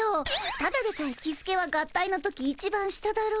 ただでさえキスケは合体の時いちばん下だろ？